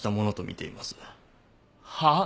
はっ？